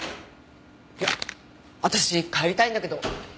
いや私帰りたいんだけど。